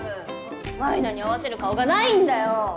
舞菜に合わせる顔がないんだよ！